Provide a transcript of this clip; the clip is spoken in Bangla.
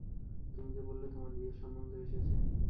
তুমি যে বললে, তোমার বিয়ের সম্বন্ধ এসেছে।